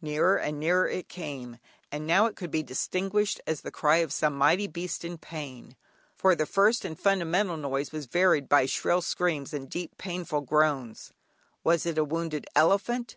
Nearer and nearer it came; and now it could be distinguished as the cry of some mighty beast in pain, for the first and fundamental noise was varied by shrill screams and deep, painful groans. Was it a wounded elephant?